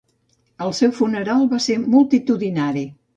El seu funeral va ser multitudinari.